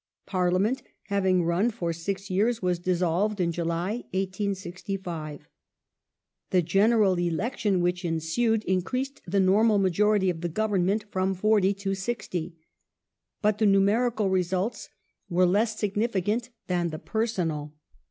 Parliament, having run for six years, was dis stonian solved in July, 1865. The General Election which ensued increased ^^^ the normal majority of the Government from forty to sixty. But the numerical results were less significant than the personal.